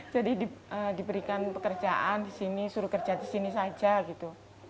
jadi diberikan pekerjaan di sini disuruh kerja di sini saja gitu